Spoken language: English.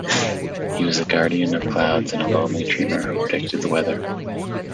He was a guardian of clouds and a lonely dreamer who predicted the weather.